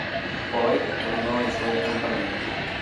Poi, tornò ai suoi accampamenti.